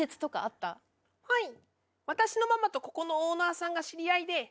はい。